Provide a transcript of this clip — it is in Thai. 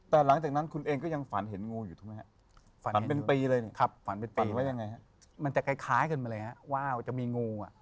แต่หลังจากนั้นคุณเองก็ยังฝันเห็นงูอยู่ถูกไหม